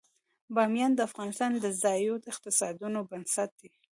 بامیان د افغانستان د ځایي اقتصادونو بنسټ دی.